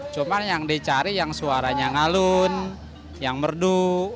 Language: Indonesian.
cuma yang dicari yang suaranya ngalun yang merdu